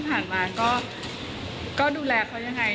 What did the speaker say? ผ่านมาก็ดูแลเขายังไง